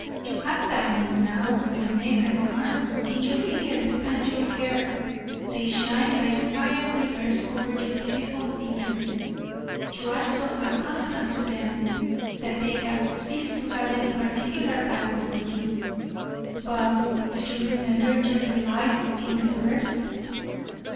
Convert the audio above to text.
You have diamonds now on your neck and arms, in your ears, and your hair. They shine like fire rivers over your beautiful figure; you are so accustomed to them that they have ceased to have any particular value for you. But do you remember your delight in the first?"